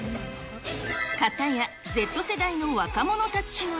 かたや、Ｚ世代の若者たちは。